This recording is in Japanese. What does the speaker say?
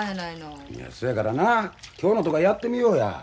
いやそやからな今日のとこはやってみようや。